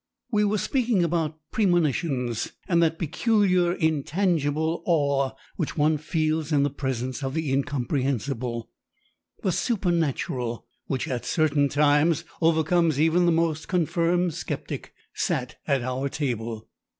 We were speaking about premonitions, and that peculiar intangible awe which one feels in the presence of the incomprehensible, the supernatural, which at certain times overcomes even the most confirmed sceptic, sat at our table.